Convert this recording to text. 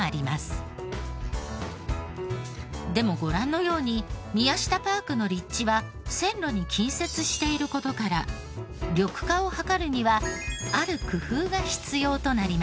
でもご覧のようにミヤシタパークの立地は線路に近接している事から緑化を図るにはある工夫が必要となります。